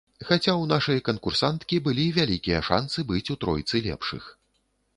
Хаця ў нашай канкурсанткі былі вялікія шанцы быць у тройцы лепшых.